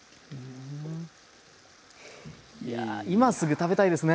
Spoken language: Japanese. いや今すぐ食べたいですね。